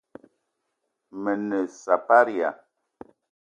Me ne saparia !